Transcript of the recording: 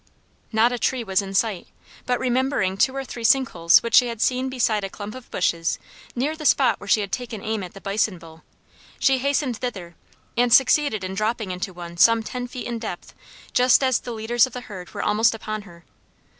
Not a tree was in sight, but remembering two or three sink holes which she had seen beside a clump of bushes near the spot where she had taken aim at the bull bison, she hastened thither and succeeded in dropping into one some ten feet in depth just as the leaders of the herd were almost upon her.